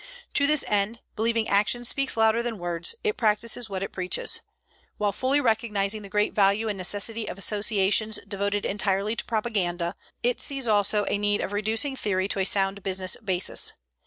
To this end, believing action speaks louder than words, it practices what it preaches. While fully recognizing the great value and necessity of associations devoted entirely to propaganda, it sees also a need of reducing theory to a sound business basis.